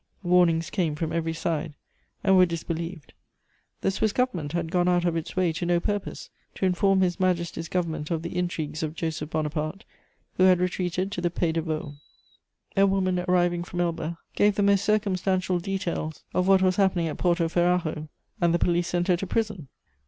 _" Warnings came from every side, and were disbelieved. The Swiss Government had gone out of its way to no purpose to inform His Majesty's Government of the intrigues of Joseph Bonaparte, who had retreated to the Pays de Vaud. A woman arriving from Elba gave the most circumstantial details of what was happening at Porto Ferrajo, and the police sent her to prison.